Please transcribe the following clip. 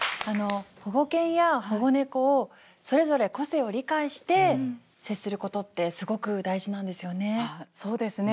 保護犬や保護猫をそれぞれ個性を理解して接することってすごく大事なんですよね？